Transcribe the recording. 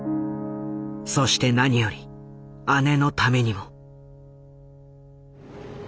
そして何より姉のためにも。